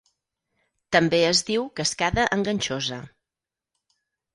També es diu cascada enganxosa.